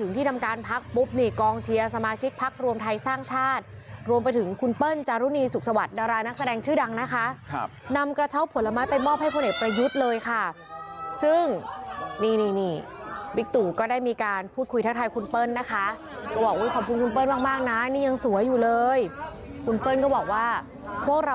นะคะนี่จังหวะนี้ค่ะตอนนี้หกสิบเอ็ดเลยนี่ค่ะขอบคุณค่ะขอบคุณค่ะ